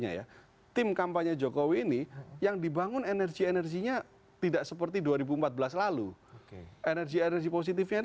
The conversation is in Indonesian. ya tim kampanye jokowi ini yang dibangun energi energinya tidak seperti dua ribu empat belas lalu energi energi positifnya